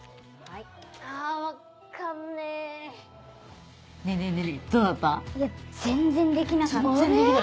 いや全然できなかった。